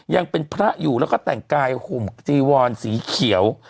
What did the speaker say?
ยังเป็นพระอยู่และแต่งกายห่มดิวรสีเขียว